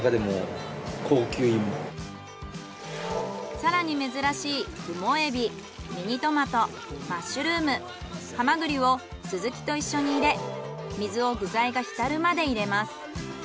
更に珍しいクモエビ・ミニトマトマッシュルーム・ハマグリをスズキと一緒に入れ水を具材が浸るまで入れます。